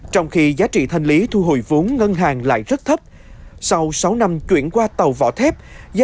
trong khi giá trị thanh lý thu hồi vốn ngân hàng lại rất thấp sau sáu năm chuyển qua tàu vỏ thép